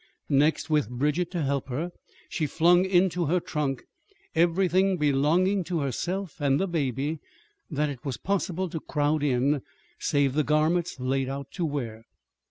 Next, with Bridget to help her, she flung into her trunk everything belonging to herself and the baby that it was possible to crowd in, save the garments laid out to wear.